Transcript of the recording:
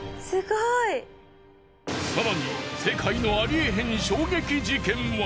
更に世界のありえへん衝撃事件は。